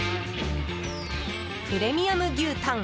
プレミアム牛タン。